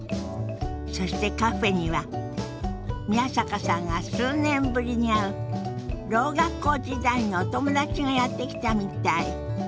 そしてカフェには宮坂さんが数年ぶりに会うろう学校時代のお友達がやって来たみたい。